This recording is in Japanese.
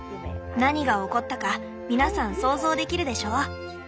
「何が起こったか皆さん想像できるでしょう？